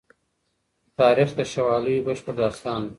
تاریخ د شوالیو بشپړ داستان دی.